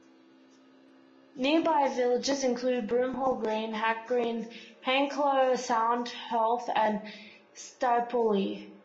Nearby villages include Broomhall Green, Hack Green, Hankelow, Sound Heath and Stapeley.